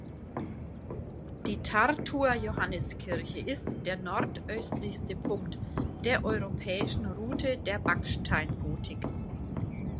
Die Tartuer Johanniskirche ist der nordöstlichste Punkt der Europäischen Route der Backsteingotik.